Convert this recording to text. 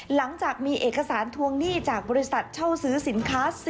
หลังจากมีเอกสารทวงหนี้จากบริษัทเช่าซื้อสินค้า